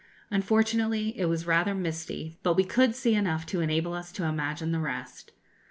Unfortunately it was rather misty, but we could see enough to enable us to imagine the rest.